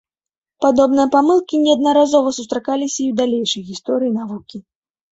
Падобныя памылкі неаднаразова сустракаліся і ў далейшай гісторыі навукі.